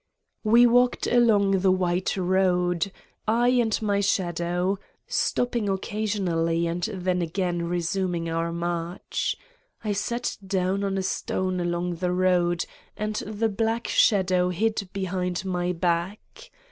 We walked along the white road, I and my shadow, stopping occasionally and then again re suming our march. I sat down on a stone along the road and the black shadow hid behind my back.